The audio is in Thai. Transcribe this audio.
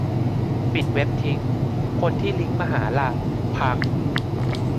ปิดเว็บทิ้ง ที่คนลิงก์มาหาล่ะ ? พัง ?